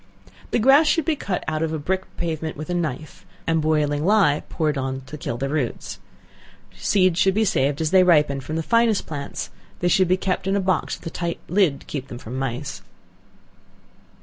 The grass should be cut out of a brick pavement with a knife, and boiling ley poured on to kill the roots. Seeds should be saved as they ripen, from the finest plants; they should be kept in a box with a tight lid to keep them from mice.